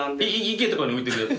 池とかに浮いてるやつ？